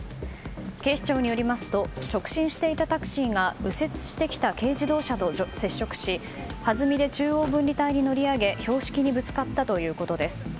警視庁によりますと直進していたタクシーが右折してきた軽自動車と接触しはずみで中央分離帯に乗り上げ標識にぶつかったということです。